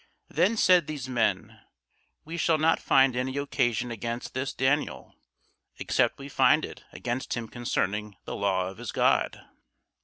Then said these men, We shall not find any occasion against this Daniel, except we find it against him concerning the law of his God.